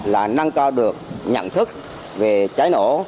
là năng cao được nhận thức về cháy nổ